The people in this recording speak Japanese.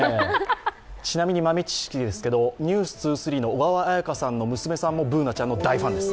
ちなみに豆知識ですけれども、「ｎｅｗｓ２３」の小川彩佳さんの娘さんもＢｏｏｎａちゃんの大ファンです。